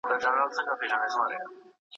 اسلام د حق او باطل ترمنځ پوله ده.